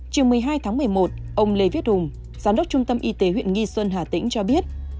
chiều một mươi hai tháng một mươi một ông lê viết hùng giám đốc trung tâm y tế huyện nghi xuân hà tĩnh cho biết